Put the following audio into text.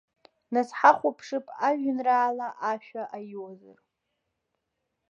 Нас ҳахәаԥшып ажәеинраала ашәа аиуазар.